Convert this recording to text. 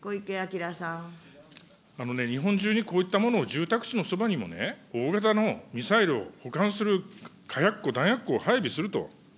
あのね、日本中にこういったものを住宅地のそばにも、大型のミサイルを保管する火薬庫、弾薬庫を配備すると。